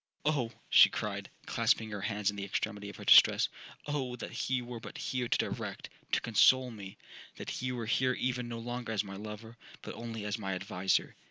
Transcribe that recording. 'Oh!' she cried, clasping her hands in the extremity of her distress, 'Oh that he were but here to direct, to counsel me!—that he were here even no longer as my lover, but only as my adviser!'